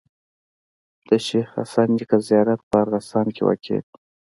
د شيخ حسن نیکه زیارت په ارغستان کي واقع دی.